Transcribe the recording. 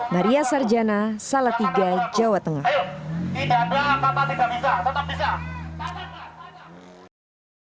maria sarjana salatiga dan pak jokowi